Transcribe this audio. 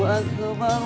gak usah pak